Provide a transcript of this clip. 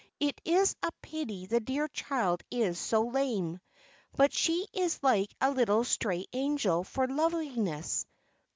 "It is a pity the dear child is so lame; but she is like a little stray angel for loveliness.